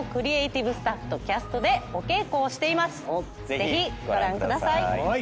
ぜひご覧ください。